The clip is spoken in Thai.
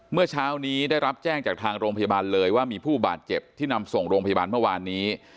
เมื่อเช้านี้ได้รับแจ้งจากทางโรงพยาบาลเลยว่ามีผู้บาดเจ็บที่นำส่งโรงพยาบาลเมื่อวานนี้